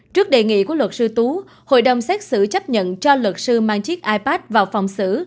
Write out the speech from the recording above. trước đề nghị của luật sư tú hội đồng xét xử chấp nhận cho luật sư mang chiếc ipad vào phòng xử